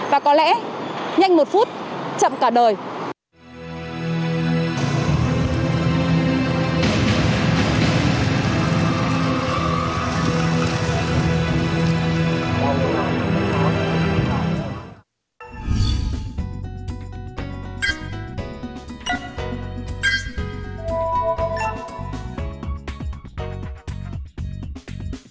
và có lẽ nhanh một phút chậm cả đời